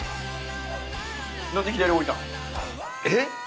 えっ？